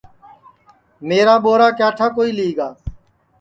میرا ٻورا کیا ٹھا کوئی لی گا